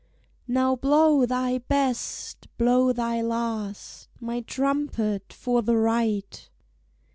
"Now blow thy best, blow thy last, My trumpet, for the Right!"